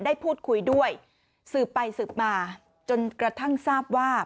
ได้พูดคุยด้วยสืบไปสืบมาจนกระทั่งทราบว่า